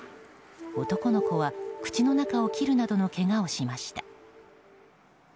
男の子は口の中を切るなどのけがをしました。